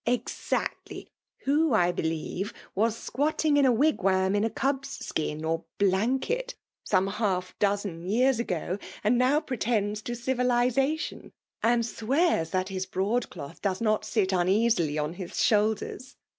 '''< Exactly ; who, I believe, was squatting in a wigwam in a cuVs skin, or blanket some half dozen years ago, and now pretends to civilization, and swears that liis broad doth does not sit uneasily on his shoulders.